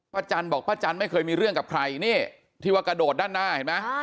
จันบอกป้าจันไม่เคยมีเรื่องกับใครนี่ที่ว่ากระโดดด้านหน้าเห็นไหม